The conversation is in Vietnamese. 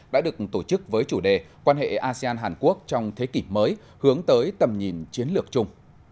đã được tổ chức với chủ đề quan hệ asean hàn quốc trong thế kỷ mới hướng tới tầm nhìn chiến lược chung